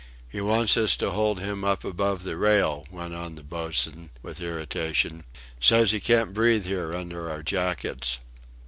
"He wants us to hold him up above the rail," went on the boatswain, with irritation, "says he can't breathe here under our jackets."